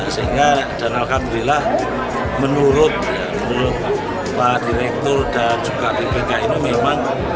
sehingga dan alhamdulillah menurut pak direktur dan juga bpk ini memang